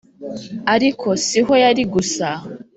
ariko siho yari gusa!